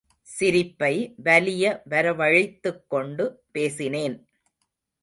சிரிப்பை வலிய வரவழைத்துக் கொண்டு பேசினேன்.